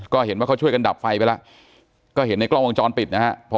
ก็เห็นว่าเขาช่วยกันดับไฟไปแล้วก็เห็นในกล้องวงจรปิดนะฮะ